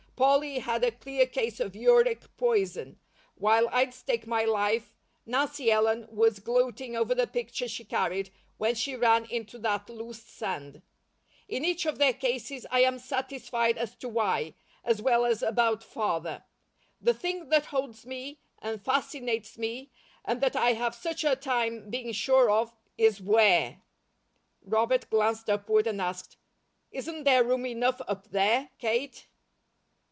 Polly had a clear case of uric poison, while I'd stake my life Nancy Ellen was gloating over the picture she carried when she ran into that loose sand. In each of their cases I am satisfied as to 'why,' as well as about Father. The thing that holds me, and fascinates me, and that I have such a time being sure of, is 'where.'" Robert glanced upward and asked: "Isn't there room enough up there, Kate?"